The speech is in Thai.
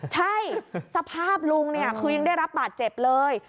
ใช่สภาพลุงเนี่ยคือยังได้รับบาดเจ็บเลย